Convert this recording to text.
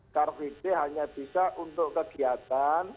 karflite hanya bisa untuk kegiatan